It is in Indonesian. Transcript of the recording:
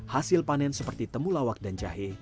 hasil panen seperti temulawak dan jahe